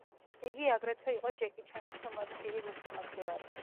იგი აგრეთვე იკო ჯეკი ჩანის ფილმების დიდი გულშემატკივარი.